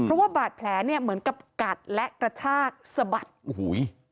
เพราะว่าบาดแผลเนี่ยเหมือนกับกัดและกระชากสะบัดโอ้โห